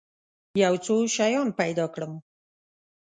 یو څو شیان پیدا کړم.